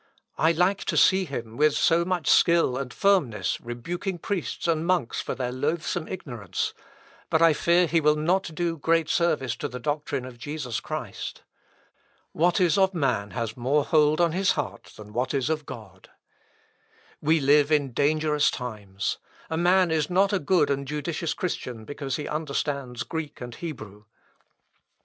I like to see him, with so much skill and firmness, rebuking priests and monks for their loathsome ignorance, but I fear he will not do great service to the doctrine of Jesus Christ. What is of man has more hold on his heart than what is of God. We live in dangerous times. A man is not a good and judicious Christian because he understands Greek and Hebrew.